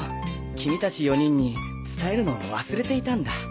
君達４人に伝えるのを忘れていたんだ。